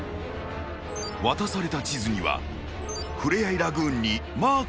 ［渡された地図にはふれあいラグーンにマークが］